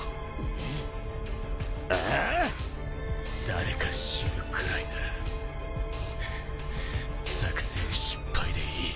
誰か死ぬくらいなら作戦失敗でいい。